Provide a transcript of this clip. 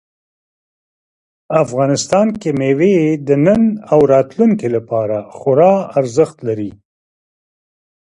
افغانستان کې مېوې د نن او راتلونکي لپاره خورا ارزښت لري.